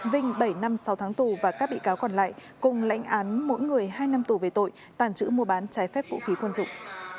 vinh bảy năm sáu tháng tù và các bị cáo còn lại cùng lãnh án mỗi người hai năm tù về tội tàng trữ mua bán trái phép vũ khí quân dụng